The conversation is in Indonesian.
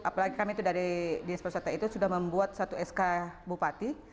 apalagi kami itu dari dinas perwisata itu sudah membuat satu sk bupati